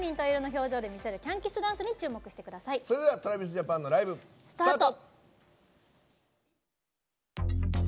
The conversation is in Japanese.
それではＴｒａｖｉｓＪａｐａｎのライブ、スタート。